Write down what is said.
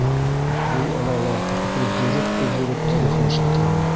Ул арала өҙҙөрөп-өҙҙөрөп телефон шылтыраны.